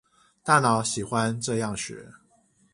大腦喜歡這樣學